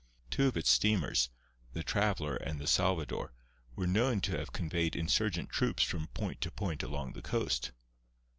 Two of its steamers, the Traveler and the Salvador, were known to have conveyed insurgent troops from point to point along the coast.